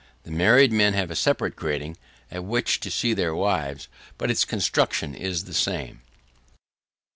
The married men have a separate grating, at which to see their wives, but its construction is the same.